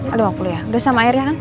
ah rp lima puluh ya udah sama air ya kan